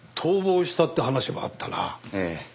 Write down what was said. ええ。